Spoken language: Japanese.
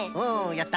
やった。